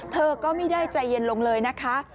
เธอก็ไม่ได้ใจเย็นลงเลยนะคะ